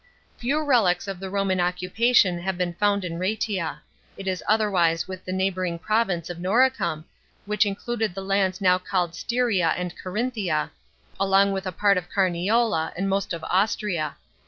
Few relics of the Roman occupation have been found in Raetia ; it is otherwise wita the neighbouring province of Noricum, which included the lands now called Styria and Carimhia, along; with a part of Carniola and most of Austria.